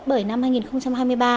bởi năm hai nghìn hai mươi ba